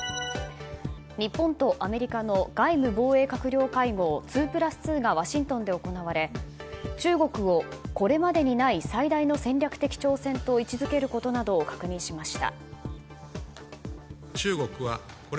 日本とアメリカの外務・防衛閣僚会合２プラス２がワシントンで行われ中国をこれまでにない最大の戦略的挑戦と位置付けることなどを確認しました。